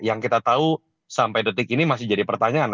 yang kita tahu sampai detik ini masih jadi pertanyaan